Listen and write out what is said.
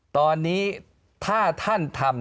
ตอนนี้ถ้าท่านทำ